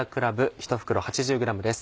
１袋８０ｇです。